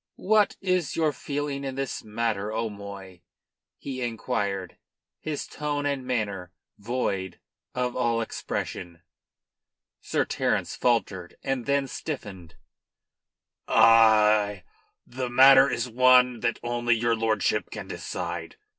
"What is your feeling in this matter, 'O'Moy?" he inquired, his tone and manner void of all expression. Sir Terence faltered; then stiffened. "I The matter is one that only your lordship can decide.